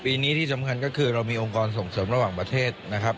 ปีนี้ที่สำคัญก็คือเรามีองค์กรส่งเสริมระหว่างประเทศนะครับ